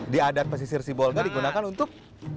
di adat pesisir sibolga digunakan untuk